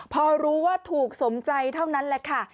พอรู้ว่าถูกสมใจเท่านั้นแหละค่ะ